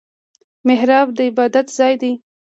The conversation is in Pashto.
محراب د عبادت ځای دی